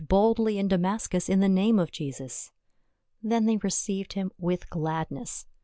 141 boldly in Damascus in the name of Jesus. Then they received him with gladness.